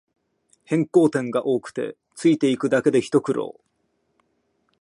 変更点が多くてついていくだけでひと苦労